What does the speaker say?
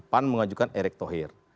pan mengajukan erick thohin